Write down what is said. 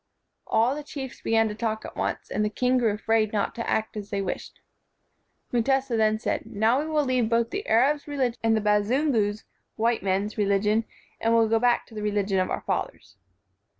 All the chiefs began to talk at once, and the king grew afraid not to act as they wished. Mutesa then said, "Now we will leave both the Arab's religion and the Bazungu's [white men's] religion, and will go back to the religion of our fathers."